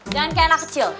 jangan kayak anak kecil